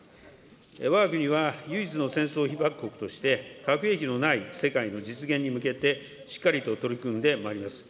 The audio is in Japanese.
わが国は唯一の戦争被爆国として、核兵器のない世界の実現に向けてしっかりと取り組んでまいります。